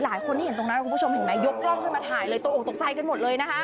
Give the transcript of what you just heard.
หลายคนที่เห็นตรงนั้นคุณผู้ชมเห็นไหมยกกล้องขึ้นมาถ่ายเลยตกออกตกใจกันหมดเลยนะคะ